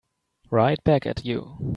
Right back at you.